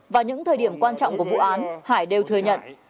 vào những thời điểm quan trọng của vụ án hải đều thừa nhận